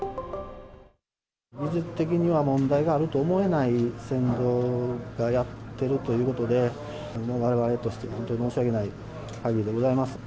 技術的には問題があると思えない船頭がやってるということで、われわれとしては本当に申し訳ないかぎりでございます。